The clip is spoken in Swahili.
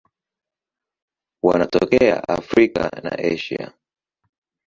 Wanatokea Afrika na Asia.